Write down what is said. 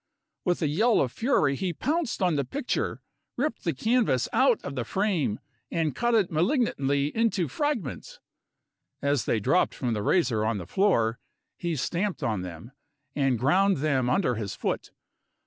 With a yell of fury, he pounced on the picture ripped the canvas out of the frame and cut it malignantly into fragments. As they dropped from the razor on the floor, he stamped on them, and ground them under his foot.